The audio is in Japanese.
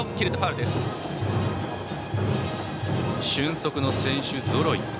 俊足の選手ぞろい。